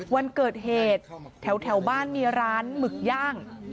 วันเกิดเหตุแถวบ้านมีร้านหมึกย่าง